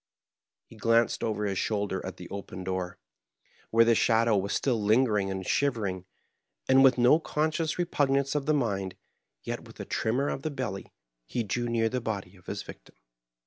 He glanced over his shoulder at the open door, where the shadow was still lingering and shiyering ; and with no conscious repugnance of the mind, yet with a tremor of the belly, he drew near the body of his victim.